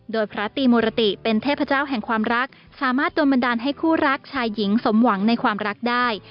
โดยพระตีมุรติเป็นเทพเจ้าแห่งความรักสามารถโดนบันดาลให้คู่รักชายหญิงสมหวังในความรักได้